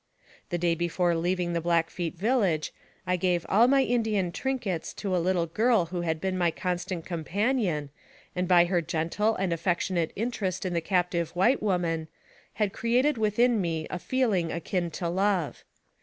The day before leaving the Blackfeet village, I gave all my Indian trinkets to a little girl who had been my constant companion, and by her gentle and affec tionate interest in the captive white woman, had created within me a feeling akin to love.